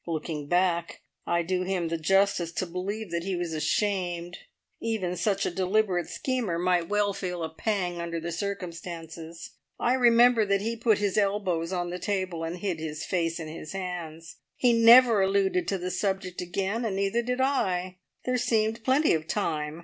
Looking back, I do him the justice to believe that he was ashamed! Even such a deliberate schemer might well feel a pang under the circumstances. I remember that he put his elbows on the table, and hid his face in his hands. He never alluded to the subject again, neither did I. There seemed plenty of time.